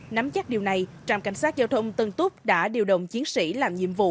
nắm chắc điều này trạm cảnh sát giao thông tân túc đã điều động chiến sĩ làm nhiệm vụ